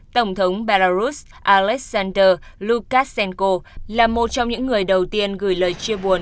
tổng thống belarus alexander lukashenko là một trong những người đầu tiên gửi lời chia buồn